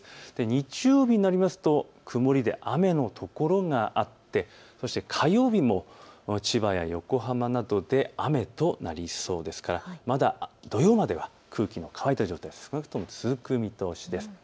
日曜日になりますと曇りで雨の所があってそして火曜日も千葉や横浜などで雨となりそうですからまだ土曜までは空気の乾いた状態か少なくとも続く見通しです。